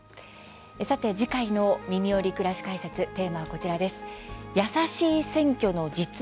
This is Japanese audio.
さて次回の「みみより！くらし解説」テーマは、こちらです。